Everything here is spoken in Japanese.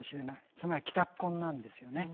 つまり帰宅困難ですよね。